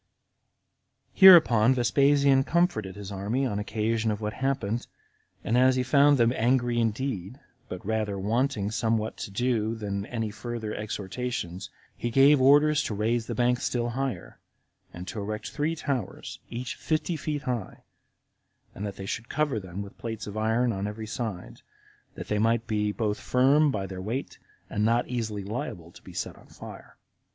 30. Hereupon Vespasian comforted his army on occasion of what happened, and as he found them angry indeed, but rather wanting somewhat to do than any further exhortations, he gave orders to raise the banks still higher, and to erect three towers, each fifty feet high, and that they should cover them with plates of iron on every side, that they might be both firm by their weight, and not easily liable to be set on fire.